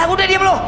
udah diam lo